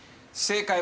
正解。